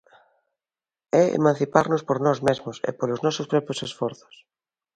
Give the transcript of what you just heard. É emanciparnos por nós mesmos e polos nosos propios esforzos.